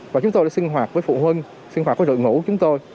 và chúng tôi đã sinh hoạt với phụ huynh sinh hoạt với đội ngũ chúng tôi